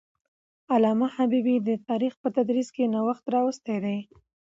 علامه حبيبي د تاریخ په تدریس کې نوښت راوستی دی.